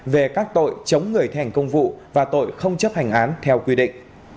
về các tội chống người thi hành công vụ và tội không chấp hành án theo quy định